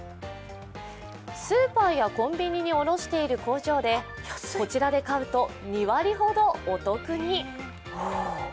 スーパーやコンビニに卸している工場で、こちらで買うと２割ほどお得に。